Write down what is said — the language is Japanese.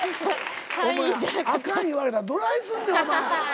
あかん言われたらどないすんねんお前。